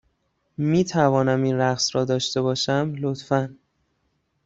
می توانم این رقص را داشته باشم، لطفا؟